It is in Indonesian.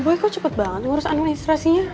boy kok cepet banget ngurus animasi stresinya